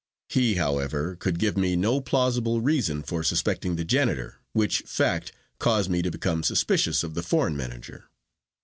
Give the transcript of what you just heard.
He, however, could give me no plausible reason for suspecting the janitor, which fact caused me to become suspicious of the foreign manager.